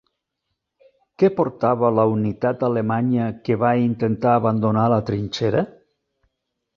Què portava la unitat alemanya que va intentar abandonar la trinxera?